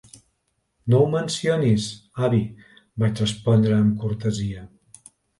"No ho mencionis, avi", vaig respondre amb cortesia.